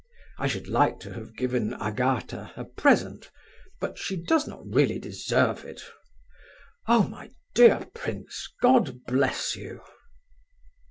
I should like to have given Agatha a present, but she does not really deserve it. Oh, my dear prince, God bless you!"